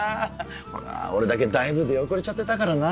ほら俺だけだいぶ出遅れちゃってたからな。